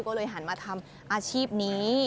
ก็เลยหันมาทำอาชีพนี้